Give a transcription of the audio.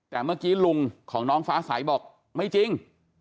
แต่เมื่อกี้ลุงของน้องฟ้าใสบอกไม่จริง